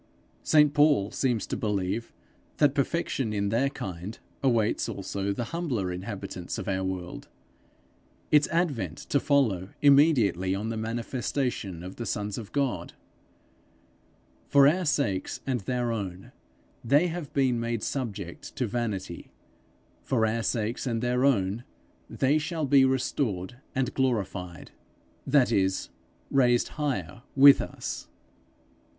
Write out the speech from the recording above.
St Paul seems to believe that perfection in their kind awaits also the humbler inhabitants of our world, its advent to follow immediately on the manifestation of the sons of God: for our sakes and their own they have been made subject to vanity; for our sakes and their own they shall be restored and glorified, that is, raised higher with us.